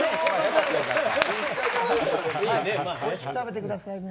おいしく食べてください。